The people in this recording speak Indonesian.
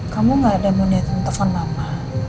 kamu gak ada yang mau nonton telepon mama